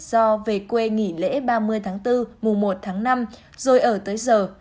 do về quê nghỉ lễ ba mươi tháng bốn mùa một tháng năm rồi ở tới giờ